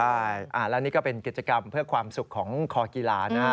ใช่แล้วนี่ก็เป็นกิจกรรมเพื่อความสุขของคอกีฬานะ